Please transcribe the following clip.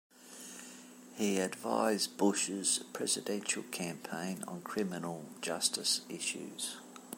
He advised Bush's presidential campaign on criminal justice issues.